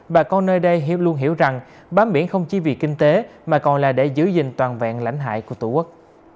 bà con nơi đây hiểu luôn hiểu rằng bám biển không chỉ vì kinh tế mà còn là để giữ gìn toàn vẹn lãnh hải của tổ quốc